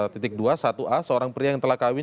titik dua satu a seorang pria yang telah kawin